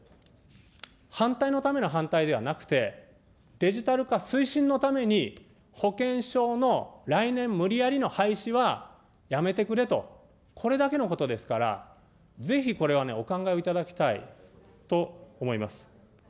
反対のための反対ではなくて、デジタル化推進のために、保険証の来年無理やりの廃止はやめてくれと、これだけのことですから、ぜひこれはね、お考えをいただきたいと思います。